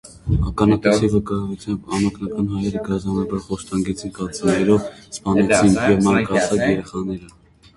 Ականատեսի վկայութեամբ, անօգնական հայերը գազանաբար խոշտանգեցին, կացիններով սպանեցին, եւ մանկահասակ երեխաները։